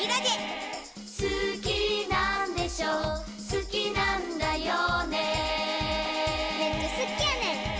「好きなんだよね？」